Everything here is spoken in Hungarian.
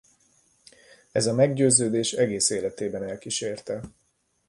Ez a meggyőződés egész életében elkísérte.